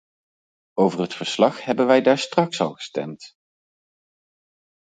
Over het verslag hebben wij daarstraks al gestemd.